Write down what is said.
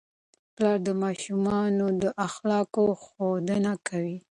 پلار د ماشومانو د اخلاقو ښودنه کوي.